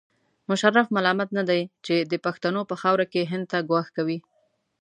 مشرف ملامت نه دی چې د پښتنو په خاوره کې هند ته ګواښ کوي.